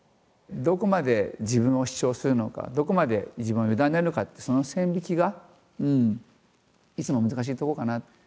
どこまで自分を主張するのかどこまで自分を委ねるのかってその線引きがいつも難しいとこかな。